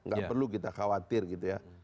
gak perlu kita khawatir gitu ya